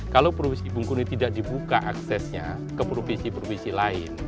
kalau provinsi bungkuni tidak dibuka aksesnya ke provinsi provinsi lain